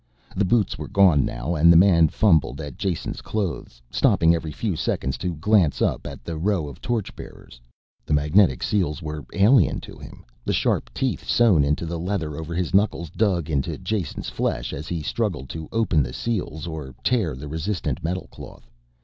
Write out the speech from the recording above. The boots were gone now and the man fumbled at Jason's clothes, stopping every few seconds to glance up at the row of torch bearers. The magnetic seals were alien to him, the sharp teeth sewn into the leather over his knuckles dug into Jason's flesh as he struggled to open the seals or to tear the resistant metalcloth.